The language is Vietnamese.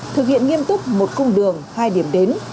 thực hiện nghiêm túc một cung đường hai điểm đến